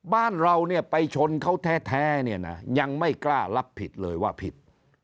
บ้านเราเนี่ยไปชนเขาแท้เนี่ยนะยังไม่กล้ารับผิดเลยว่าผิด